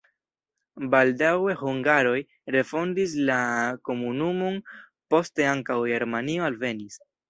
Baldaŭe hungaroj refondis la komunumon, poste ankaŭ germanoj alvenis.